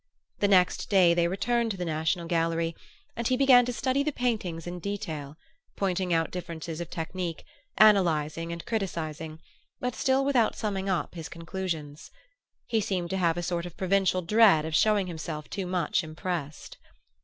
The next day they returned to the National Gallery, and he began to study the paintings in detail, pointing out differences of technique, analyzing and criticising, but still without summing up his conclusions. He seemed to have a sort of provincial dread of showing himself too much impressed.